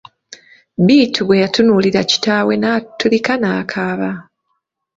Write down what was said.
Bittu bwe yatunuulira kitaawe n'atulika n'akaaba!